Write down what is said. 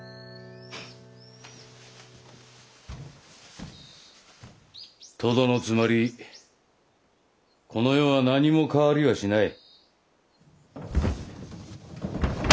フッ。とどのつまりこの世は何も変わりはしない。